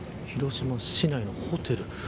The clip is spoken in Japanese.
広島市内のホテル。